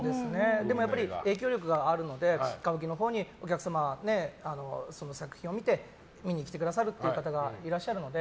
でも、影響力があるので歌舞伎のほうにお客様その作品を見てくださる方がいらっしゃるので。